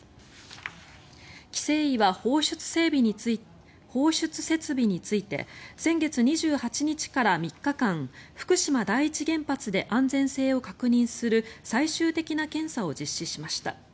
規制委は放出設備について先月２８日から３日間福島第一原発で安全性を確認する最終的な検査を実施しました。